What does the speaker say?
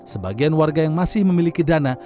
sebagian warga yang masih memiliki dana